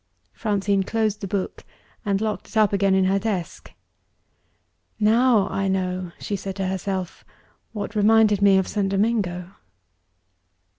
Francine closed the book, and locked it up again in her desk. "Now I know," she said to herself, "what reminded me of St. Domingo."